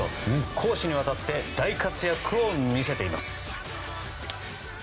攻守にわたって大活躍を見せています。